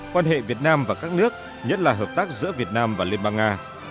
quan hệ việt nam và các nước nhất là hợp tác giữa việt nam và liên bang nga